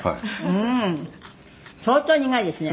うーん」「相当苦いですね」